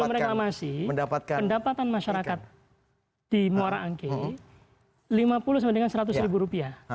jauh sebelum reklamasi pendapatan masyarakat di nuara angke lima puluh sama dengan seratus ribu rupiah